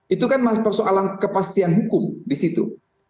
itu kan persoalan kepastian hukum di situ